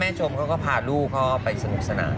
ชมเขาก็พาลูกเขาไปสนุกสนาน